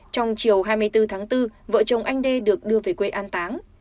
trong chiều hai mươi bốn tháng bốn vợ chồng anh đê được đưa về quê an táng